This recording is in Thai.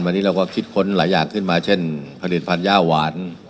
วันนี้เราก็คิดค้นหลายอย่างขึ้นมาเช่นผลิตภัณฑ์ย่าหวาน